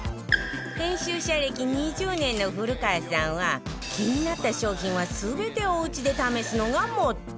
編集者歴２０年の古川さんは気になった商品は全ておうちで試すのがモットー